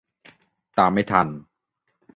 ตามไม่ทัน